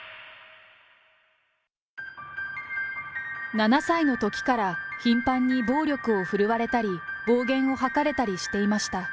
７歳のときから、頻繁に暴力を振るわれたり、暴言を吐かれたりしていました。